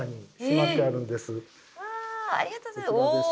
わあありがとうございます。